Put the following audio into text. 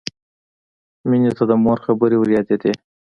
مینې ته د مور خبرې وریادېدې